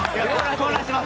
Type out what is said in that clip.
混乱してます。